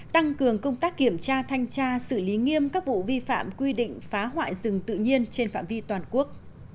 tăng cường công tác kiểm tra thanh tra xử lý nghiêm các vụ vi phạm quy định phá hoại rừng tự nhiên trên phạm vi toàn quốc